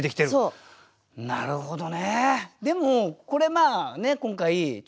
なるほどね。